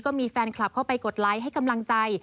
ก็มีแฟนคลับเข้าไปกดไลค์ให้กำลังใจ